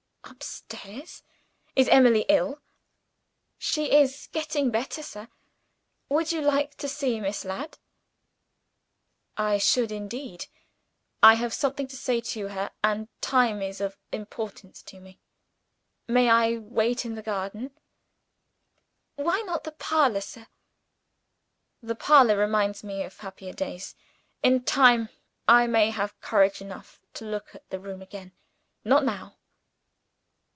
"Upstairs? Is Emily ill?" "She is getting better, sir. Would you like to see Miss Ladd?" "I should indeed! I have something to say to her and time is of importance to me. May I wait in the garden?" "Why not in the parlor, sir?" "The parlor reminds me of happier days. In time, I may have courage enough to look at the room again. Not now."